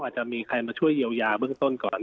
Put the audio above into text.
อาจจะมีใครมาช่วยเยียวยาเบื้องต้นก่อน